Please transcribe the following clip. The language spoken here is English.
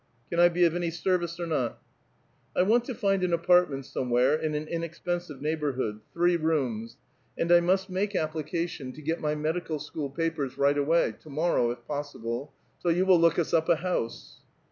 Can I be of any service or not?" " T want to find an apartment somewhere in an inexpensive neighborhood — three rooms ; and I must make application A VITAL QUESTION. 135 to get m}" medical school papers right away, to morrow, if possible ; so 3^011 will look us U[) a house."